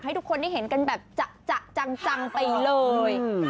ให้ทุกคนได้เห็นกันแบบจะจังไปเลย